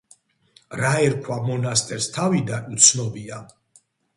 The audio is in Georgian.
რა ერქვა მონასტერს თავიდან, უცნობია.